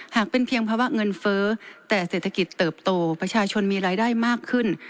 หากเป็นเพียงภาวะเงินเฟ้อแต่เศรษฐกิจเติบโตประชาชนมีรายได้มากขึ้น